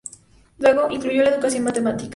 Luego, incluyó la educación matemática.